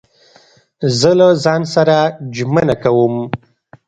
زه له ځان سره ژمنه کوم.